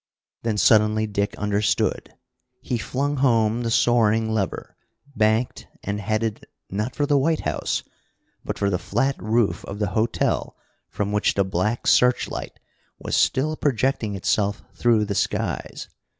Then suddenly Dick understood. He flung home the soaring lever, banked, and headed, not for the White House, but for the flat roof of the hotel from which the black searchlight was still projecting itself through the skies.